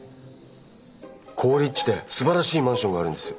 好立地ですばらしいマンションがあるんです。